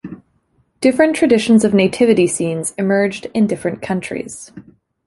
Different traditions of nativity scenes emerged in different countries.